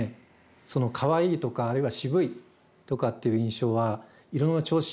そのかわいいとかあるいはしぶいとかっていう印象は色の調子